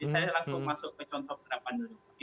saya langsung masuk ke contoh penerapan new normal